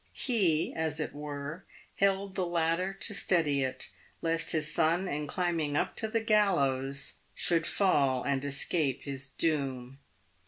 He, as it were, held the ladder to steady it, lest his son, in climbing up to the gallows, should fall and escape his doom.